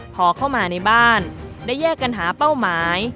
พอเข้ามาในบ้านได้แยกกันหาเป้าหมาย